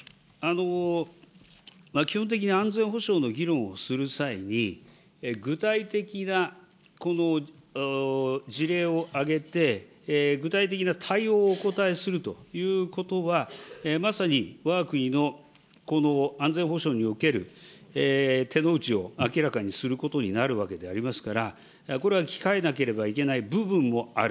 基本的な安全保障の議論をする際に、具体的な事例を挙げて、具体的な対応をお答えするということは、まさにわが国の安全保障における手の内を明らかにすることになるわけでありますから、これは控えなければいけない部分もある。